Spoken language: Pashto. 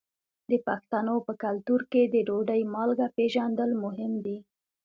د پښتنو په کلتور کې د ډوډۍ مالګه پیژندل مهم دي.